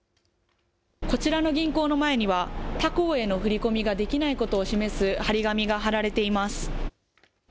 こちらの銀行の前には、他行への振り込みができないことを示す貼り紙が貼られています。